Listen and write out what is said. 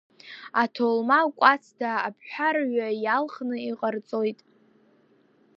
Аҭолма кәацда абҳәа рҩа иалхны иҟарҵоит.